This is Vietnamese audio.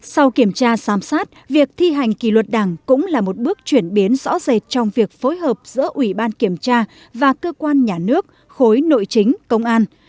sau kiểm tra sám sát việc thi hành kỳ luật đảng cũng là một bước chuyển biến rõ rệt trong việc phối hợp giữa ủy ban kiểm tra và cơ quan nhà nước khối nội chính công an